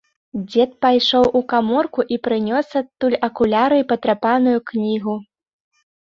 Дзед пайшоў у каморку і прынёс адтуль акуляры і патрапаную кнігу.